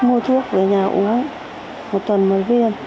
mua thuốc về nhà uống một tuần một viên